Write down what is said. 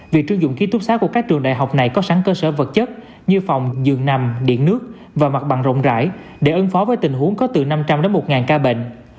việc sử dụng ký túc xá của các trường đại học này có sẵn cơ sở vật chất như phòng giường nằm điện nước và mặt bằng rộng rãi để ứng phó với tình huống có từ năm trăm linh đến một ca bệnh